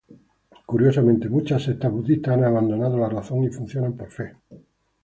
Curiosamente muchas sectas budistas han abandonado la razón y funcionan por fe.